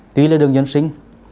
tuy là đường dân sinh